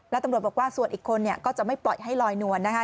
แล้วตำรวจบอกว่าส่วนอีกคนเนี่ยก็จะไม่ปล่อยให้ลอยนวลนะคะ